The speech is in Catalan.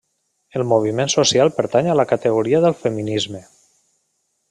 El moviment social pertany a la categoria del feminisme.